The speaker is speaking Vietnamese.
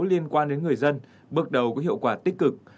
liên quan đến người dân bước đầu có hiệu quả tích cực